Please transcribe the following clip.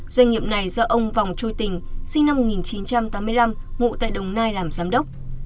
doanh nghiệp này do ông vòng chui tình sinh năm một nghìn chín trăm tám mươi năm ngụ tại đồng nai làm giám đốc